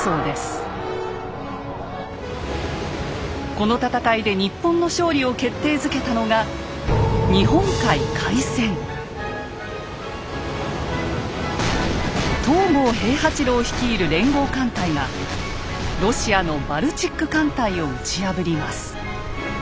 この戦いで日本の勝利を決定づけたのが東郷平八郎率いる連合艦隊がロシアのバルチック艦隊を打ち破ります。